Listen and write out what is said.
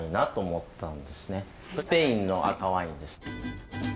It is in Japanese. スペインの赤ワインです。